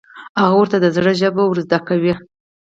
هغه ورته د زړه ژبه ور زده کوي.